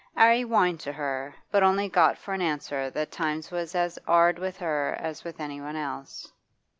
'Arry whined to her, but only got for an answer that times was as 'ard with her as with anyone else.